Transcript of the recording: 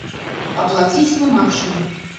А плаціць няма чым.